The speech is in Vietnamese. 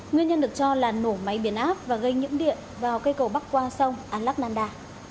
nguyên nhân được cho là nổ máy biến áp và gây những điện vào cây cầu bắc qua sông alaknanda